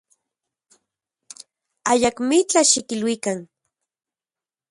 Ayakmitlaj xikiluikan.